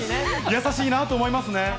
優しいなと思いますね。